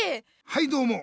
はいどうも。